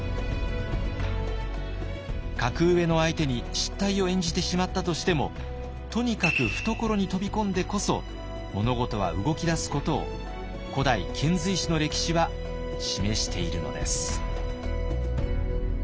格上の相手に失態を演じてしまったとしてもとにかく懐に飛び込んでこそ物事は動き出すことを古代遣隋使の歴史は示しているのです。